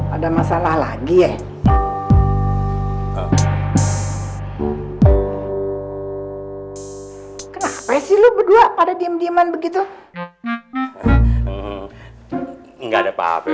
ada masalah lagi ya kenapa sih lu berdua pada diem dieman begitu enggak ada apa apa